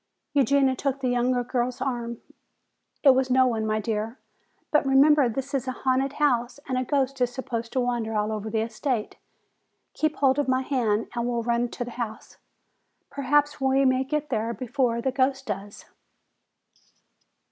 Eugenia took the younger girl's arm. "It was no one, my dear. But remember, this is a haunted house and a ghost is supposed to wander all over the estate. Keep hold of my hand and we'll run to the house. Perhaps we may get there before the ghost does."